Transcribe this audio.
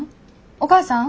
お母さん？